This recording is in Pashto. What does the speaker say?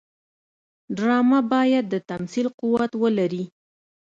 ډرامه باید د تمثیل قوت ولري